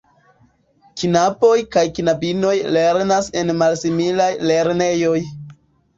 Knaboj kaj knabinoj lernas en malsimilaj lernejoj.